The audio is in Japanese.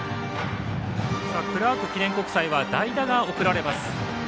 クラーク記念国際は代打が送られます。